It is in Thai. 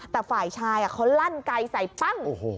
แต่ฝ่ายชายเขาลั่นไกลใส่ปั้ง